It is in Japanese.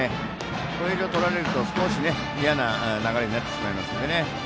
これ以上とられると少し嫌な流れになってしまいますのでね。